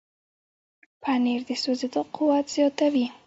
پنېر د سوځېدو قوت زیاتوي.